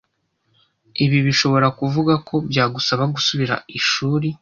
Ibi bishobora kuvuga ko byagusaba gusubira ishuri,